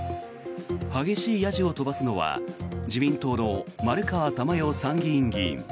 激しいやじを飛ばすのは自民党の丸川珠代参議院議員。